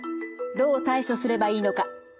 どう対処すればいいのか。